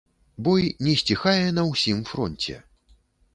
Бой не сціхае на ўсім фронце.